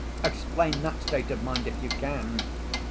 Explain that state of mind, if you can.